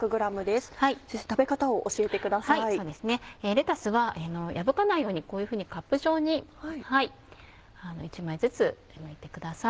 レタスは破かないようにこういうふうにカップ状に１枚ずつむいてください。